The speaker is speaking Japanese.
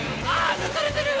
抜かれてるよ